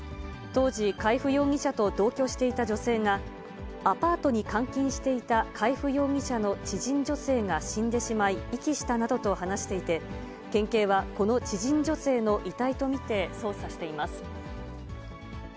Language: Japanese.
当時、海部容疑者と同居していた女性が、アパートに監禁していた海部容疑者の知人女性が死んでしまい、遺棄したなどと話していて、県警はこの知人女性の遺体と見て、捜査しています。